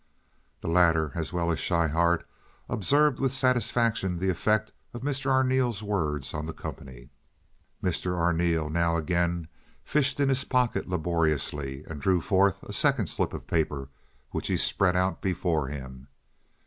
The latter, as well as Schryhart, observed with satisfaction the effect of Mr. Arneel's words on the company. Mr. Arneel now again fished in his pocket laboriously, and drew forth a second slip of paper which he spread out before him.